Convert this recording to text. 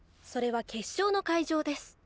それは決勝の会場です。